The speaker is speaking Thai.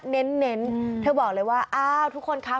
เน้นเน้นอืมเธอบอกเลยว่าอ้าวทุกคนค่ะ